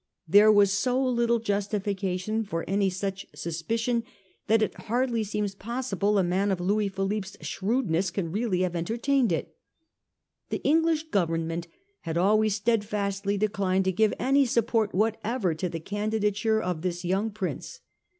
There was so little justification for any such suspicion that it hardly seems possible a man of Louis Philippe's shrewdness can really have entertained it. The Eng lish Government had always steadfastly declined to give any support whatever to the candidature of this yo ung prince.